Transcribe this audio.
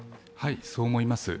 そう思います。